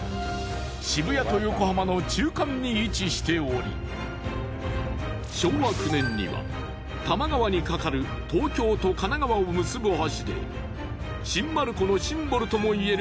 渋谷と横浜の中間に位置しており昭和９年には多摩川に架かる東京と神奈川を結ぶ橋で新丸子のシンボルともいえる